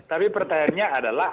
tapi pertanyaannya adalah